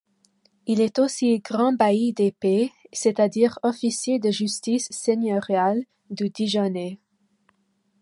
Il est aussi grand bailli d'épée, c'est-à-dire officier de justice seigneuriale, du Dijonnais.